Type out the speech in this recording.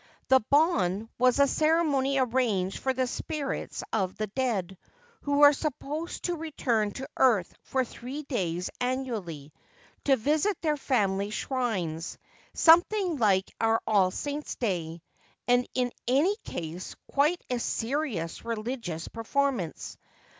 The ' Bon ' was a ceremony arranged for the spirits of the dead, who are supposed to return to earth for three days annually, to visit their family shrines — something like our All Saints' Day, and in any case quite a serious religious performance.